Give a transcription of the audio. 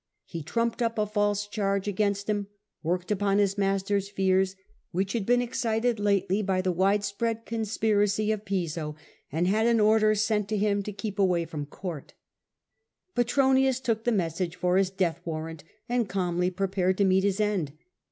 Hetrumpedup a false charge against [" him, worked upon his master's fears which fashions, had been excited lately by the widespread conspiracy of Piso, and had an order sent to him to keep away from court Petronius took the message for his was banished death warrant, and calmly prepared to meet his end.